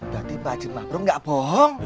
berarti pak haji mabroh gak bohong